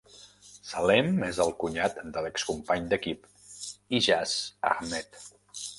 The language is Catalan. Saleem és el cunyat de l'excompany d'equip Ijaz Ahmed.